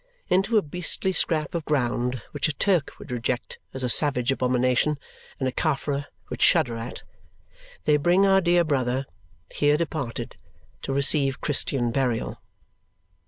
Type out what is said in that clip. Into a beastly scrap of ground which a Turk would reject as a savage abomination and a Caffre would shudder at, they bring our dear brother here departed to receive Christian burial.